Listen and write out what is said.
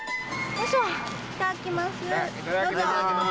いただきます。